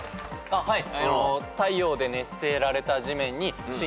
はい。